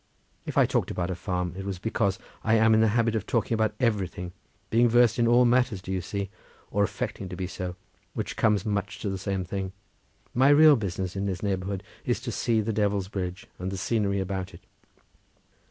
If I talked about a farm it was because I am in the habit of talking about everything, being versed in all matters, do you see, or affecting to be so, which comes much to the same thing. My real business in this neighbourhood is to see the Devil's Bridge and the scenery about it."